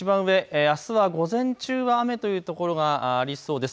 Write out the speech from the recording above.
あすは午前中は雨という所がありそうです。